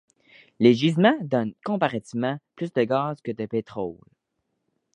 Les gisements donnent comparativement plus de gaz que de pétrole.